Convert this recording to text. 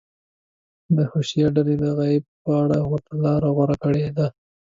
حشویه ډلې د غیب په اړه ورته لاره غوره کړې ده.